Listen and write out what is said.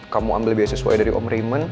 kamu ambil biaya sesuai dari om raymond